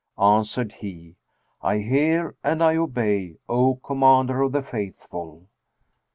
Answered he, "I hear and I obey, O Commander of the Faithful."